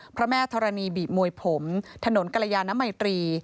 พระแม่ธรณีบีบมวยผมถนนกรยานมัยตรี